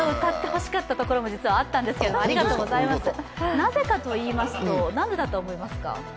なぜかといいますと何でだと思いますか？